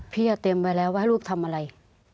จะเตรียมไว้แล้วว่าให้ลูกทำอะไร